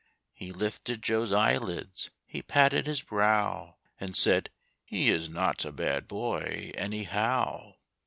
He lifted Joe's eyelids, he patted his brow, And said. "He is not a bad boy, anyhow."